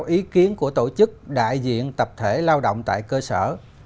ý kiến của tổ chức đại diện tập thể lao động tại cơ sở